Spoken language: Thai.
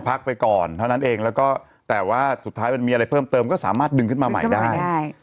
พักไปก่อนเท่านั้นเองแล้วก็แต่ว่าสุดท้ายมันมีอะไรเพิ่มเติมก็สามารถดึงขึ้นมาใหม่ได้